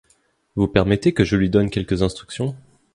Vous permettez que je lui donne quelques instructions ?